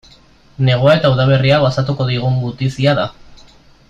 Negua eta udaberria gozatuko digun gutizia da.